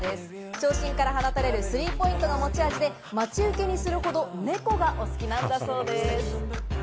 長身から放たれるスリーポイントが持ち味で、待ち受けにするほど猫がお好きなんだそうです。